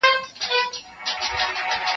ما ول څه کيسه ده ؟ ول نيخه